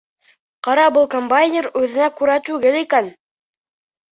Ҡара, был комбайнер үҙенә күрә түгел икән!